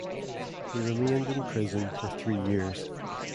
He remained in prison for three years.